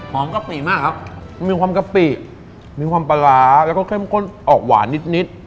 กะปิมากครับมีความกะปิมีความปลาร้าแล้วก็เข้มข้นออกหวานนิดนิด